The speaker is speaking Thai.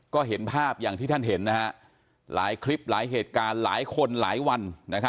ก็เห็นภาพอย่างที่ท่านเห็นหลายคลิปหลายเหตุการณ์หลายคนหลายวัน